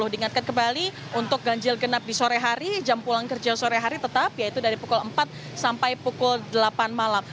diingatkan kembali untuk ganjil genap di sore hari jam pulang kerja sore hari tetap yaitu dari pukul empat sampai pukul delapan malam